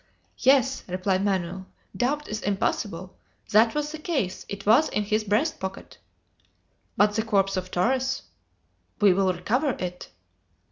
"Yes," replied Manoel; "doubt is impossible! That was the case; it was in his breast pocket." "But the corpse of Torres?" "We will recover it!"